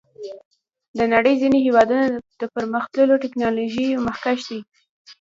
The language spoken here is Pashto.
د نړۍ ځینې هېوادونه د پرمختللو ټکنالوژیو مخکښ دي.